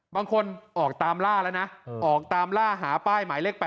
บางคนออกตามล่าแล้วนะออกตามล่าหาป้ายหมายเลข๘